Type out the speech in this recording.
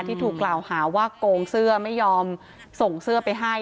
ที่ถูกกล่าวหาว่าโกงเสื้อไม่ยอมส่งเสื้อไปให้